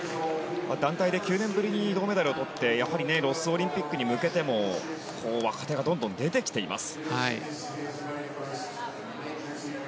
団体で９年ぶりに銅メダルをとってロスオリンピックに向けても若手がどんどん出てきています。